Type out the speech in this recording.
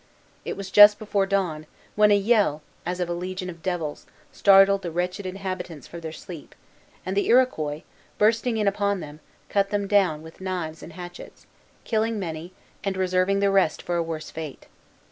It was just before dawn, when a yell, as of a legion of devils, startled the wretched inhabitants from their sleep; and the Iroquois, bursting in upon them, cut them down with knives and hatchets, killing many, and reserving the rest for a worse fate.